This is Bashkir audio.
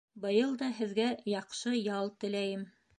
Быйыл да һеҙгә яҡшы ял теләйем.